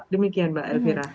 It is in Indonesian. demikian mbak elvira